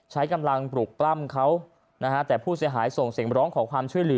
ใช้กำลังปลุกปล้ำเขานะฮะแต่ผู้เสียหายส่งเสียงร้องขอความช่วยเหลือ